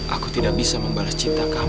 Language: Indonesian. aku tidak bisa membalas cinta kamu